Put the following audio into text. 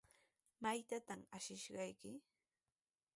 ¿Maytrawtaq ashishayki?